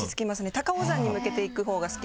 高尾山に向けて行くほうが好きです。